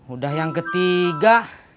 udah yang ketiga